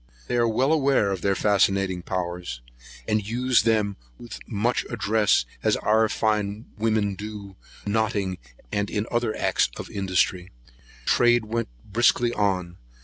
They are well aware of their fascinating powers, and use them with as much address as our fine women do notting, and other acts of industry. Trade went briskly on.